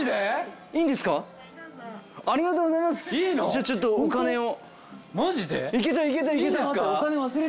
じゃあちょっとお金を。